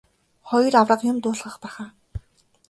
Хоёр аварга юм дуулгах байх аа.